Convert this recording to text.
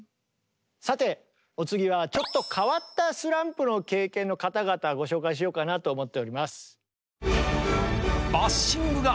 さてお次はちょっと変わったスランプの経験の方々ご紹介しようかなと思っております。